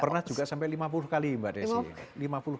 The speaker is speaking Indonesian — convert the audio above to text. pernah juga sampai lima puluh kali mbak desi